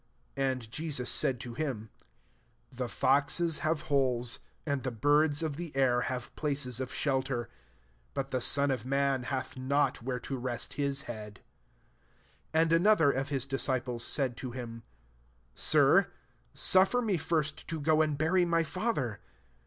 '' 30 And Jesus 9sM to him, ^< The foxes have holes, and the birds of the air JU9ve places of shelt^ : but the Sob of man hath not where to reat bh head." 21 And ano tfc^r of his disciples said to him* *« Sir, suffer me first to go and Inury my father."